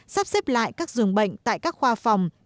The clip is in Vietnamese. sắp xếp lại các giường bệnh tại các khoa phòng